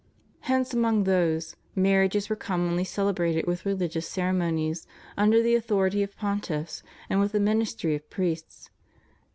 Hence among those, marriages were commonly celebrated with religious ceremonies, under the authority of pontiffs, and with the ministry of priests.